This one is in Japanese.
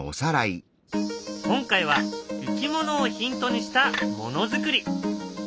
今回はいきものをヒントにしたものづくり。